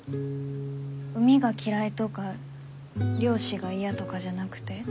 海が嫌いとか漁師が嫌とかじゃなくて？